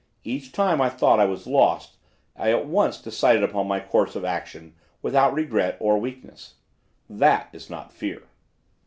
Each time I thought I was lost I at once decided upon my course of action without regret or weakness. "That is not fear.